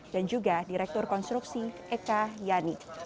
dan juga direktur konstruksi eka yani